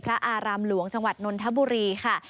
อารามหลวงจังหวัดนนทบุรีค่ะ